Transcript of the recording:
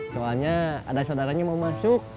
soalnya ada saudaranya mau masuk